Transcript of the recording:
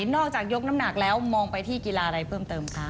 นอกจากยกน้ำหนักแล้วมองไปที่กีฬาอะไรเพิ่มเติมคะ